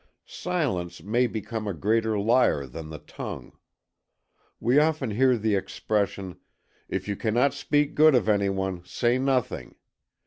Silence may become a greater liar than the tongue. We often hear the expression "if you cannot speak good of any one, say nothing!"